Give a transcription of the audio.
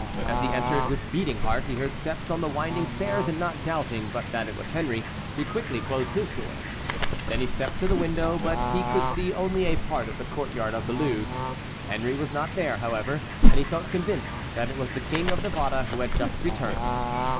As he entered with beating heart, he heard steps on the winding stairs, and not doubting but that it was Henry he quickly closed his door. Then he stepped to the window, but he could see only a part of the court yard of the Louvre. Henry was not there, however, and he felt convinced that it was the King of Navarre who had just returned.